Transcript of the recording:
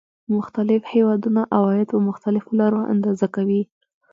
مختلف هېوادونه عواید په مختلفو لارو اندازه کوي